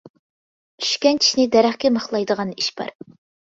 چۈشكەن چىشىنى دەرەخكە مىخلايدىغان ئىش بار.